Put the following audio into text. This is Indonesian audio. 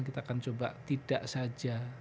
kita akan coba tidak saja